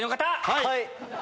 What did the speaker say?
はい！